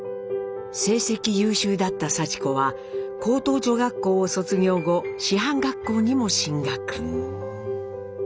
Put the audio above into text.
成績優秀だったさち子は高等女学校を卒業後師範学校にも進学。